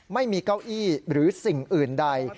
ไม่มีเก้าอี้หรือสิ่งอื่นใด